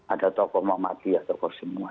ada tokoh muhammadiyah tokoh semua